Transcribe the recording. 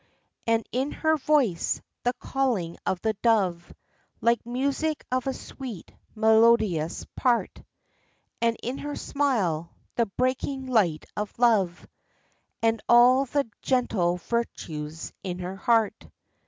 And in her voice, the calling of the dove; Like music of a sweet, melodious part. And in her smile, the breaking light of love; And all the gentle virtues in her heart.